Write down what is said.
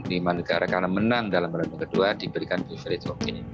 di mana negara negara menang dalam perang dunia kedua diberikan pilihan itu